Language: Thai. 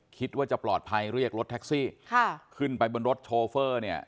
คิดว่าจะปลอดภัยเรียกรถแท็กซี่ค่ะขึ้นไปบนรถโชเฟอร์เนี่ย